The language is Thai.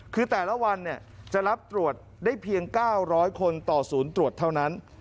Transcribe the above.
คือแต่ละวันจะรับตรวจได้เพียง๙๐๐คนต่อศูนย์ตรวจเท่านั้น